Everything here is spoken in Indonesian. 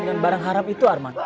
dengan barang haram itu arman